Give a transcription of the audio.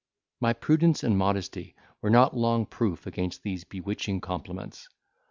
My prudence and modesty were not long proof against these bewitching compliments.